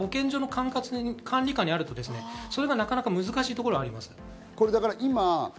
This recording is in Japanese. この辺は保健所の管理下にあるとそれがなかなか難しいところがあります。